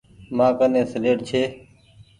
مآڪني سيليٽ ڇي۔